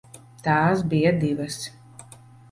Tās bija divas.